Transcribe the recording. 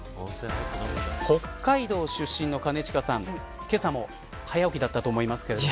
北海道出身の兼近さんけさも早起きだったと思いますけど